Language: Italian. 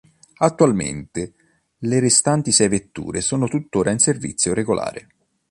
Attualmente le restanti sei vetture sono tuttora in servizio regolare.